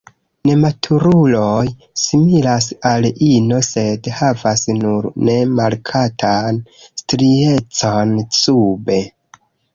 Nematuruloj similas al ino, sed havas nur ne markatan striecon sube.